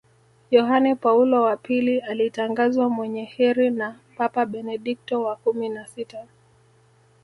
yohane paulo wa pili alitangazwa mwenye kheri na papa benedikto wa kumi na sita